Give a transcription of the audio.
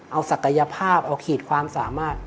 เอาศักยภาพเอาขีดความสามารถ